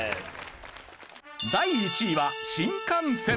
第１位は新幹線。